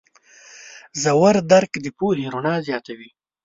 ژور درک د پوهې رڼا زیاتوي.